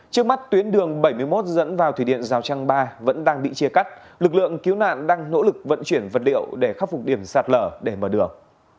trước mắt tuyến đường bảy mươi một dẫn vào thủy điện rào trang ba vẫn đang bị chia cắt lực lượng cứu nạn đang nỗ lực vận chuyển vật liệu để khắc phục điểm sạt lở để mở đường